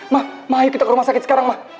ma ma ayo kita ke rumah sakit sekarang ma